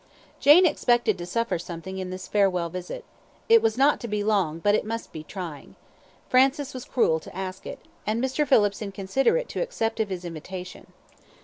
Jane expected to suffer something in this farewell visit. It was not to be long, but it must be trying. Francis was cruel to ask it, and Mr. Phillips inconsiderate to accept of his invitation.